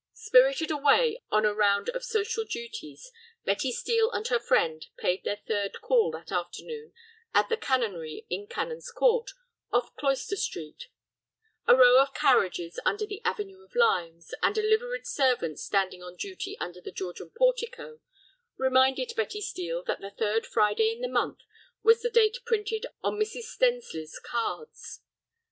Spirited away on a round of social duties, Betty Steel and her friend paid their third call that afternoon at the Canonry in Canon's Court, off Cloister Street. A row of carriages under the avenue of limes, and a liveried servant standing on duty under the Georgian portico, reminded Betty Steel that the third Friday in the month was the date printed on Mrs. Stensly's cards.